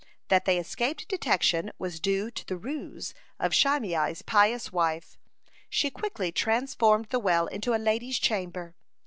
That they escaped detection was due to the ruse of Shimei's pious wife. She quickly transformed the well into a lady's chamber.